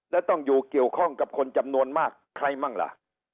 แล้วต้องอยู่เกี่ยวข้องกับคนจำนวนมากใครมั่งล่ะ